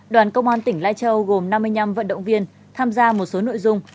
đoàn công an tỉnh lai châu gồm năm mươi năm vận động viên tham gia một số nội dung